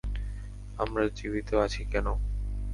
আমরা জীবিত আছি কেনো?